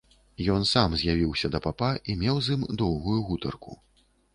Ён сам з'явіўся да папа і меў з ім доўгую гутарку.